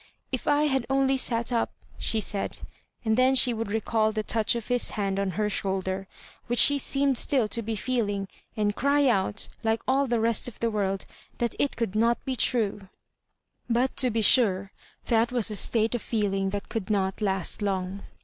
^' If I had only sat up," she said; and then she would recall the touch of his hand on her shoulder, which she seemed still to be feeluig, and cry out, like all the rest of the world, that it could not be true. But, to be sure, that was a state of feeling that could not last long.